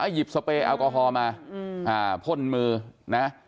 หยิบสเปรยแอลกอฮอล์มาพ่นมือนะ